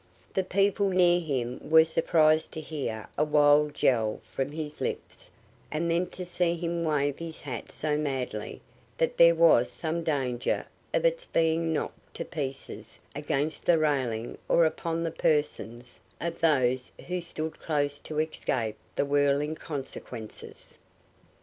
The people near him were surprised to hear a wild yell from his lips and then to see him wave his hat so madly that there was some danger of its being knocked to pieces against the railing or upon the persons of those who stood too close to escape the whirling consequences.